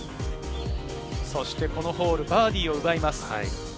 このホール、バーディーを奪います。